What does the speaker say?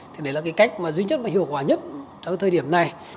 thì đấy là cái cách duy nhất mà hiệu quả nhất trong thời điểm này